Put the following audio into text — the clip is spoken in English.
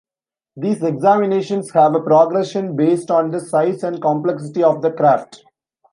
These examinations have a progression based on the size and complexity of the craft.